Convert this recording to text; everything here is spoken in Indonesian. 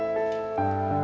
gak ada apa apa